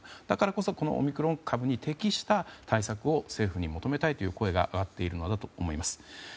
だからこそこのオミクロン株に適した対策を政府に求めたいという声が表れているのだと思います。